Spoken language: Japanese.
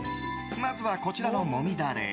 まずはこちらの、もみダレ。